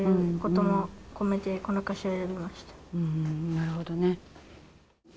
なるほどね。